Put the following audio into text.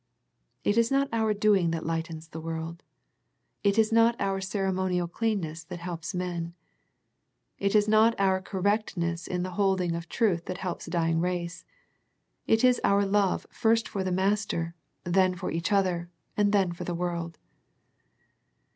It is not our doing that lightens the world. It is not our ceremonial cleanness that helps men. It is not our correctness in the holding of truth that helps a dying race. It is our love first for our Master, then for each other, and then for the world.